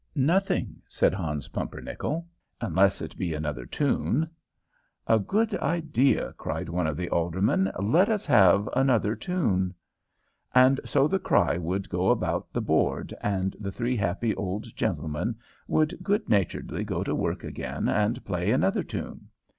"Nothing," said Hans Pumpernickel, "unless it be another tune." "A good idea," cried one of the aldermen. "Let us have another tune." And so the cry would go about the board, and the three happy old gentlemen would good naturedly go to work again and play another tune.